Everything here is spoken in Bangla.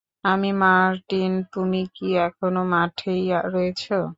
আমি মার্টিন তুমি কি এখনও মাঠেই রয়েছো?